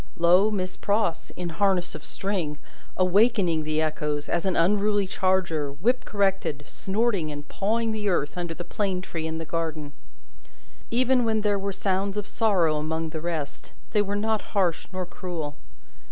Lo, Miss Pross, in harness of string, awakening the echoes, as an unruly charger, whip corrected, snorting and pawing the earth under the plane tree in the garden! Even when there were sounds of sorrow among the rest, they were not harsh nor cruel.